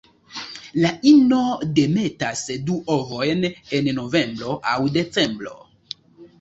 La ino demetas du ovojn en novembro aŭ decembro.